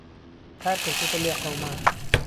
کار کهوتۆته لێقهومان